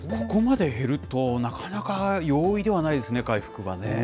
ここまで減ると、なかなか容易ではないですね、回復はね。